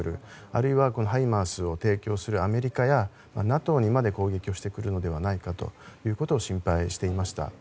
あるいはハイマースを提供するアメリカやＮＡＴＯにまで攻撃をしてくるのではないかと心配していました。